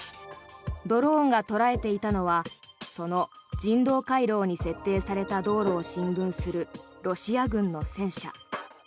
ドローンが捉えていたのはその人道回廊に設定された道路を進軍するロシア軍の戦車。